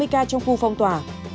bảy trăm sáu mươi ca trong khu phong tỏa